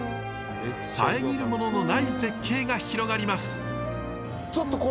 遮るもののない絶景が広がります。